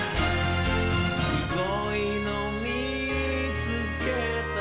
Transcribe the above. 「すごいのみつけた」